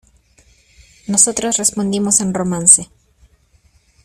nosotros respondimos en romance: